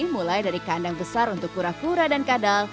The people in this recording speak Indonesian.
mulai dari kandang besar untuk kura kura dan kadal